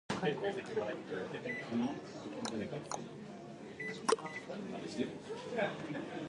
The largest portion of the aggregate is always sand, which can be either silica.